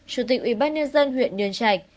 chủ tịch ủy ban nhân dân huyện nhân trạch